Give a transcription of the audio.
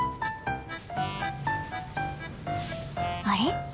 あれ？